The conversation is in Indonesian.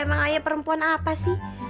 emang ayah perempuan apa sih